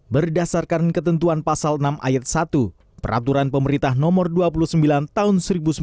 berdasarkan ketentuan pasal enam ayat satu peraturan pemerintah nomor dua puluh sembilan tahun seribu sembilan ratus sembilan puluh